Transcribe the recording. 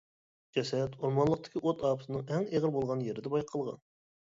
جەسەت ئورمانلىقتىكى ئوت ئاپىتىنىڭ ئەڭ ئېغىر بولغان يېرىدە بايقالغان.